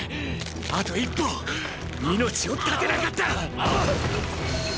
あと一歩命を断てなかった！！